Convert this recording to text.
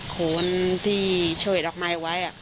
คนที่ช่วยดอกไม้ไว้